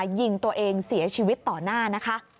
ยิงตัวเองเสียชีวิตต่อหน้านะคะ